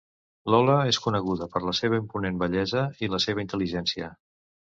Lola és coneguda per la seva imponent bellesa i per la seva intel·ligència.